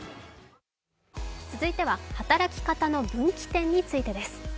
続いては働き方の分岐点についてです。